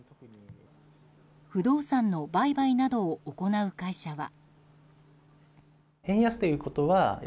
不動産の売買などを行う会社は。